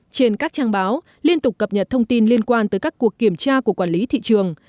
trên các trang báo liên tục cập nhật thông tin liên quan tới các cuộc kiểm tra của quản lý thị trường